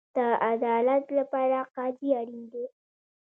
د عدالت لپاره قاضي اړین دی